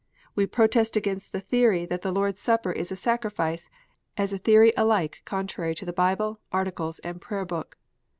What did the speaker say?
We protest against the theory that the 12 KNOTS UNTIED. Lord s Supper is a sacrifice, as a theory alike contrary to the Bible, Articles, and Prayer book.